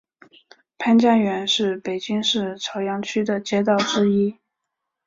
潘家园是北京市朝阳区的街道之一。